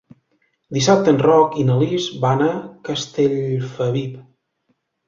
Dissabte en Roc i na Lis van a Castellfabib.